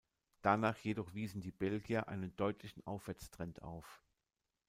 Danach jedoch wiesen die Belgier einen deutlichen Aufwärtstrend auf.